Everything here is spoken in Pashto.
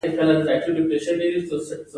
پالیسي مطلوبو اهدافو ته رسیدل رهبري کوي.